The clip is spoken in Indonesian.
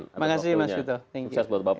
terima kasih mas yuto